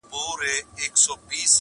چي لاسونه ماتوم د زورورو؛